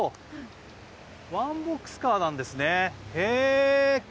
ワンボックスカーなんですね。